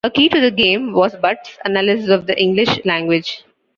A key to the game was Butts' analysis of the English language.